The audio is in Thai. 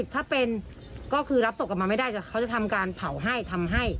ถ้าเป็นก็คือรับศพกลับมาไม่ได้แต่เขาจะทำการเผาให้ทำให้